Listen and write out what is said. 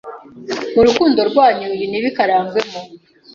mu rukundo rwanyu ibi ntibikarangwemo.